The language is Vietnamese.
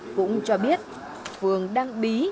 cũng cho biết phường đang bí